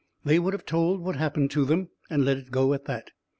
They would have told what happened to them, and let it go at that.